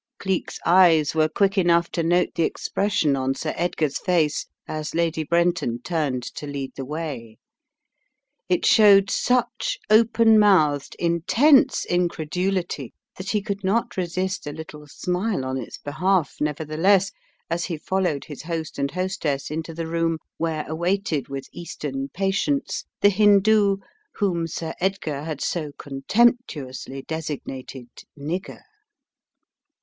Cleek's eyes were quick enough to note the ex pression on Sir Edgar's face as Lady Brenton turned to lead the way. It showed such open mouthed, intense incredulity that he could not resist a little smile on its behalf, nevertheless, as he followed his host and hostess into the room where awaited with Eastern patience the Hindoo whom Sir Edgar had so contemptuously designated "nigger."